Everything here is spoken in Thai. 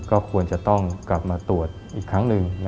ก็ควรจะต้องกลับมาตรวจอีกครั้งหนึ่ง